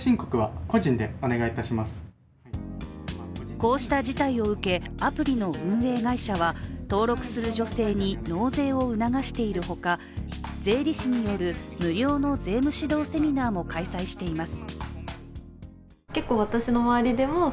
こうした事態を受け、アプリの運営会社は登録する女性に納税を促しているほか税理士による無料の税務指導セミナーも開催しています。